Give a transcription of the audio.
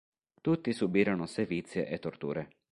Tutti subirono sevizie e torture.